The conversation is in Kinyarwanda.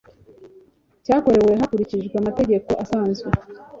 cyakorewe hakurikijwe amategeko asanzwe